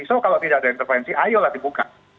so kalau tidak ada intervensi ayolah dibuka